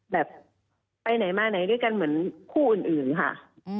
แบบไปไหนมาไหนด้วยกันเหมือนคู่อื่นค่ะ